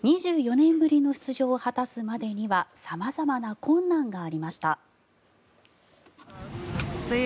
２４年ぶりの出場を果たすまでには様々な困難がありました。